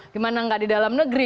di mana gak di dalam negeri